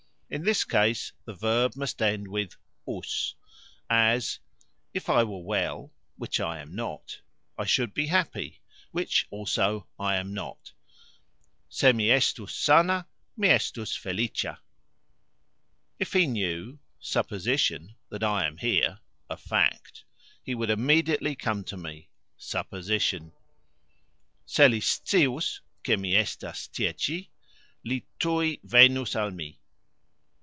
In this case the verb must end with " us", as, If I were well (which I am not) I should be happy (which also I am not), "Se mi estus sana, mi estus felicxa". If he knew (supposition) that I am here (a fact) he would immediately come to me (supposition), "Se li scius, ke mi estas tie cxi, li tuj venus al mi".